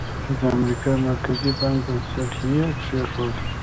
د امریکا مرکزي بانک بنسټ یې کېښود.